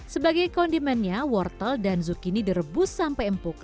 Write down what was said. sebagai kondimennya wortel dan zukini direbus sampai empuk